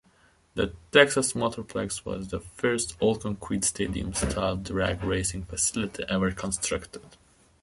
The Texas Motorplex was the first all-concrete stadium-style drag racing facility ever constructed.